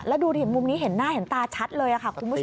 แล้วดูที่มุมนี้เห็นหน้าเห็นตาชัดเลยค่ะคุณผู้ชม